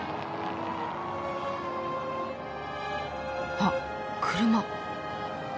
あっ車。